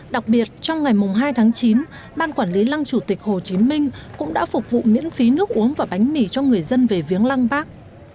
đặc biệt trong ngày hai tháng chín ban quản lý lăng chủ tịch hồ chí minh cũng đã phục vụ miễn phí nước uống và bánh mì cho người dân về viếng lăng bác